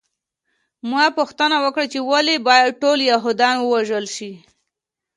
ما پوښتنه وکړه چې ولې باید ټول یهودان ووژل شي